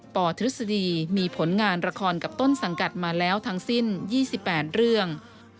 ปทฤษฎีมีผลงานละครกับต้นสังกัดมาแล้วทั้งสิ้น๒๘เรื่อง